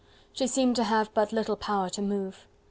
She seemed to have but little power to move.